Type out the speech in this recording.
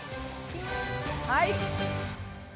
はい。